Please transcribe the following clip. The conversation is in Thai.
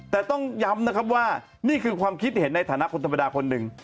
แต่ต้องย้ำนะครับว่านี่คือความคิดเห็นในฐานะคนธรรมดาคนหนึ่ง